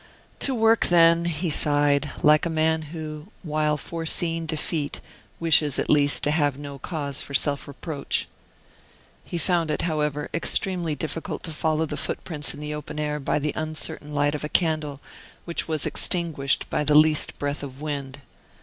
"To work, then!" he sighed, like a man who, while foreseeing defeat, wishes, at least, to have no cause for self reproach. He found it, however, extremely difficult to follow the footprints in the open air by the uncertain light of a candle, which was extinguished by the least breath of wind.